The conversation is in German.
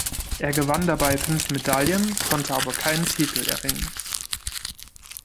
Er gewann dabei fünf Medaillen, konnte aber keinen Titel erringen.